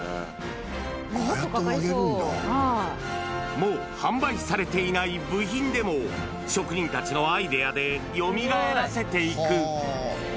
もう販売されていない部品でも、職人たちのアイデアでよみがえらせていく。